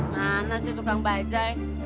mana sih tukang bajaj